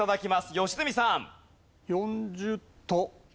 良純さん。